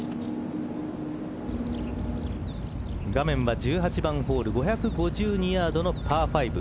画面は１８番ホール５５２ヤードのパー５。